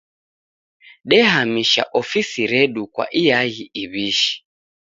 Dehamisha ofisi redu kwa iaghi iw'ishi.